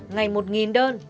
ngày một đơn